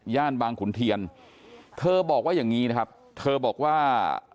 บางขุนเทียนเธอบอกว่าอย่างนี้นะครับเธอบอกว่า